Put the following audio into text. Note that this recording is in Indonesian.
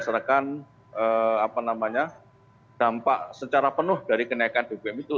berdasarkan dampak secara penuh dari kenaikan bbm itu